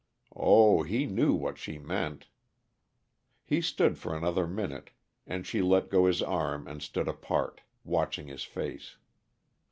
Oh, he knew what she meant! He stood for another minute, and she let go his arm and stood apart, watching his face.